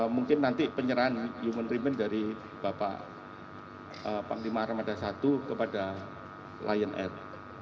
mungkin nanti penyerahan human remit dari bapak panglima ramadhan i kepada lion air